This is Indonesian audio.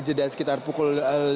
jadah sekitar pukul lima belas